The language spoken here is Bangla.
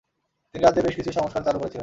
তিনি রাজ্যে বেশ কিছু সংস্কার চালু করেছিলেন।